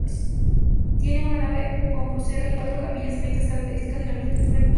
Tiene una nave, con crucero y cuatro capillas anexas, características de la arquitectura armenia.